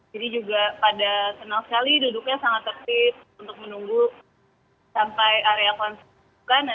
jadi juga pada senang sekali duduknya sangat tepat untuk menunggu sampai area konser